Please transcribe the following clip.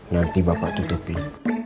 nanti bapak tutupin